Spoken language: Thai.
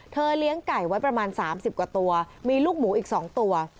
เลี้ยงไก่ไว้ประมาณ๓๐กว่าตัวมีลูกหมูอีก๒ตัว